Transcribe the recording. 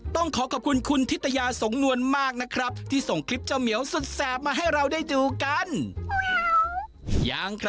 ต้องขอขอบคุณคุณทิตยาสงนวลมากนะครับที่ส่งคลิปเจ้าเหมียวสุดแสบมาให้เราได้ดูกัน